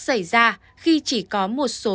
xảy ra khi chỉ có một số